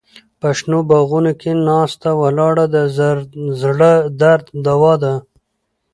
په شنو باغونو کې ناسته ولاړه د زړه درد دوا ده.